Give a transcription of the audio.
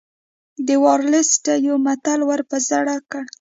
ده ورلسټ ته یو متل ور په زړه کړ.